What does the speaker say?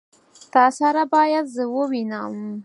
تا سره بايد زه ووينم.